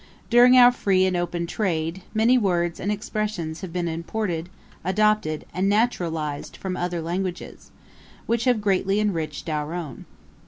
During our free and open trade, many words and expressions have been imported, adopted, and naturalized from other languages, which have greatly enriched our own.